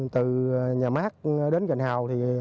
từ nhà mát đến cành hào thì